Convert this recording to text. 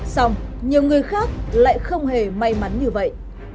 xong nhiều người khác lại không hề may mắn như vậy